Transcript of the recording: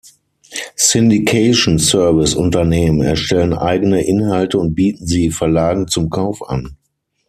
Syndication-Service-Unternehmen erstellen eigene Inhalte und bieten sie Verlagen zum Kauf an.